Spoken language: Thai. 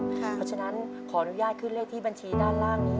เพราะฉะนั้นขออนุญาตขึ้นเลขที่บัญชีด้านล่างนี้